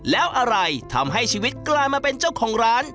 แล้วอะไรทำให้ชีวิตกลายมาเป็นเจ้าของร้าน